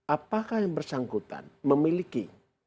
apakah yang bersangkutan memiliki